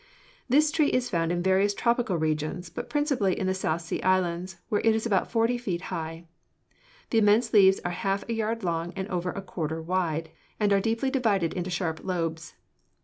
This tree is found in various tropical regions, but principally in the South Sea Islands, where it is about forty feet high. The immense leaves are half a yard long and over a quarter wide, and are deeply divided into sharp lobes.